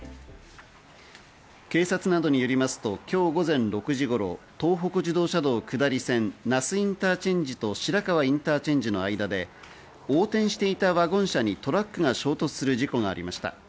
警察などによりますと今日午前６時頃、東北自動車道下り線、那須インターチェンジと白河インターチェンジの間で横転していたワゴン車にトラックが衝突する事故がありました。